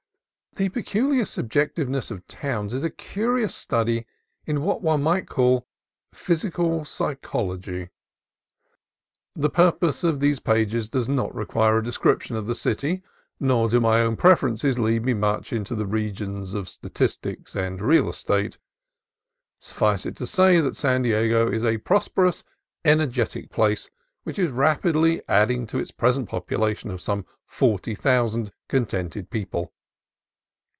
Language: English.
The peculiar subjectiveness of towns is a curious study in what one may call physical psychology. The purpose of these pages does not require a description of the city, nor do my own preferences lead me much into the regions of statistics and real estate. Suffice it to say that San Diego is a prosper ous, energetic place, which is rapidly adding to its present population of some forty thousand contented people.